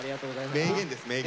名言です名言。